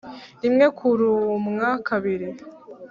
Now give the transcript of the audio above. rimwe kurumwa kabiri